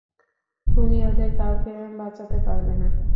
তুমি ওদের কাউকে বাঁচাতে পারবে না।